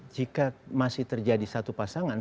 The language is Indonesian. jika masih terjadi satu pasangan